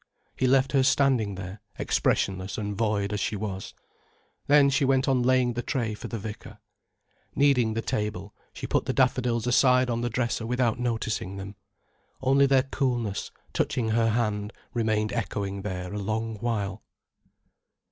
He left her standing there, expressionless and void as she was. Then she went on laying the tray for the vicar. Needing the table, she put the daffodils aside on the dresser without noticing them. Only their coolness, touching her hand, remained echoing there a long while.